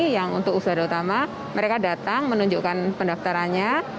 yang untuk usaha utama mereka datang menunjukkan pendaftarannya